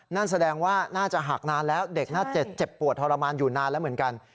นั่นแสดงว่าน่าจะหักนานแล้วเด็กน่าจะเจ็บปวดทรมานอยู่นานแล้วเหมือนกัน